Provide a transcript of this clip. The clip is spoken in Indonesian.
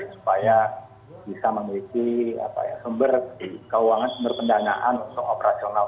supaya bisa memiliki apa ya sumber keuangan sumber pendanaan sumber operasional kampus